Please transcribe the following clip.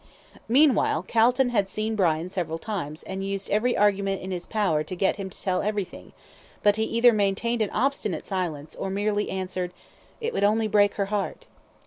Meanwhile Calton had seen Brian several times, and used every argument in his power to get him to tell everything, but he either maintained an obstinate silence, or merely answered, "It would only break her heart."